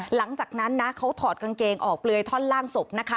หลังจากนั้นนะเขาถอดกางเกงออกเปลือยท่อนล่างศพนะคะ